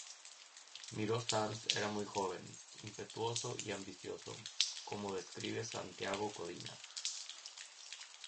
Miró-Sans era muy joven, impetuoso y ambicioso, como describe Santiago Codina.